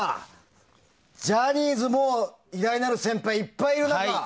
ジャニーズも偉大なる先輩がいっぱいいる中。